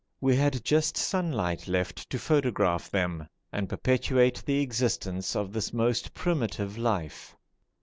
We had just sunlight left to photograph them, and perpetuate the existence of this most primitive life.